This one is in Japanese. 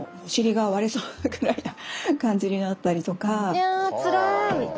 いやつらい！